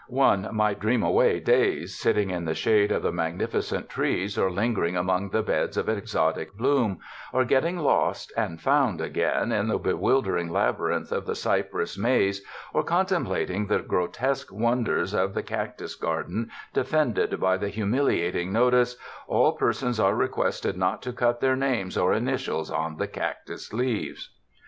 One might dream away days sitting in the shade of the magnificent trees or lingering among the beds of exotic bloom, or getting lost and found again in the bewildering labyrinth of the cypress maze, or con templating the grotesque wonders of the cactus garden defended by the humiliating notice, ''All persons are requested not to cut their names or initials on the cactus leaves."